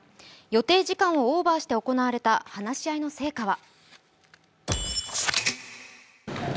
予定時間をオーバーして行われた話し合いの成果は。